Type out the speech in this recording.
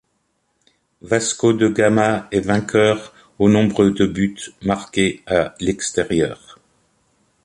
Vasco da Gama est vainqueur au nombre de buts marqués à l'extérieur.